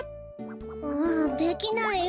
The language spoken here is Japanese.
うんできないよ。